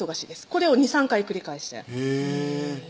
これを２３回繰り返してへぇ